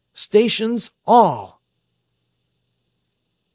STATIONS ALL!"